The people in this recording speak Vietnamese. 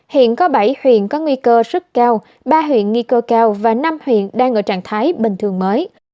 hiện có bảy huyện có nguy cơ rất cao ba huyện nghi cơ cao và năm huyện đang ở trạng thái bình thường mới